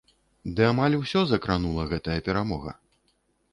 Ды амаль усё закранула гэтая перамога.